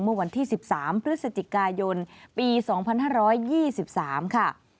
เมื่อวันที่๑๓พฤศจิกายนปี๒๕๒๓ค่ะ